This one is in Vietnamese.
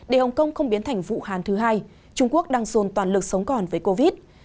để hồng kông không biến thành vũ hán thứ hai trung quốc đang dồn toàn lực sống còn với covid